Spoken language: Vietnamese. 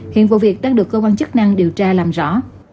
hiện vụ việc đang được cơ quan chức năng điều tra làm rõ